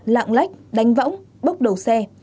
lạng lách đánh võng bốc đầu xe